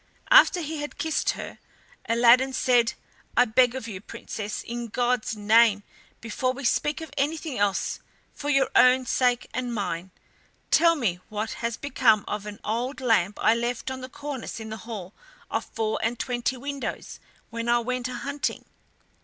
After he had kissed her Aladdin said: "I beg of you, Princess, in God's name, before we speak of anything else, for your own sake and mine, tell me what has become of an old lamp I left on the cornice in the hall of four and twenty windows when I went a hunting."